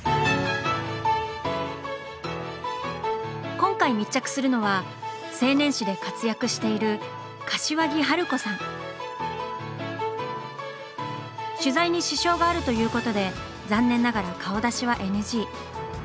今回密着するのは青年誌で活躍している取材に支障があるということで残念ながら顔出しはＮＧ。